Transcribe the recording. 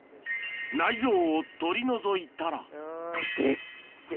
内臓を取り除いたらデッケェ！